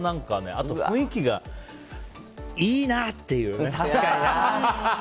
あと雰囲気がいいな！っていう。